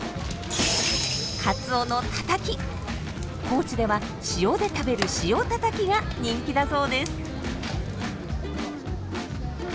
高知では塩で食べる「塩たたき」が人気だそうです。